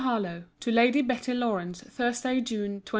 HARLOWE, TO LADY BETTY LAWRANCE THURSDAY, JUNE 29.